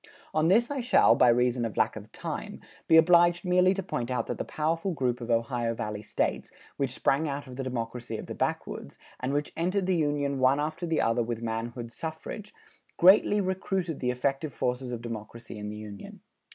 On this I shall, by reason of lack of time, be obliged merely to point out that the powerful group of Ohio Valley States, which sprang out of the democracy of the backwoods, and which entered the Union one after the other with manhood suffrage, greatly recruited the effective forces of democracy in the Union.